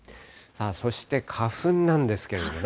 そして花粉なんですけれどもね。